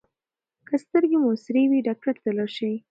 که سترګې مو سرې وي ډاکټر ته لاړ شئ.